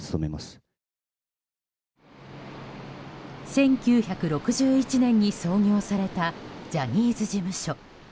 １９６１年に創業されたジャニーズ事務所。